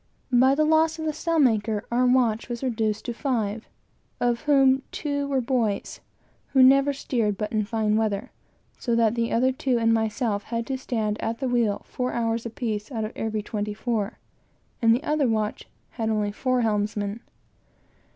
By the loss of the sailmaker, our watch was reduced to five, of whom two were boys, who never steered but in fine weather, so that the other two and myself had to stand at the wheel four hours apiece out of every twenty four; and the other watch had only four helmsmen.